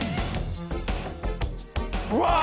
うわっ！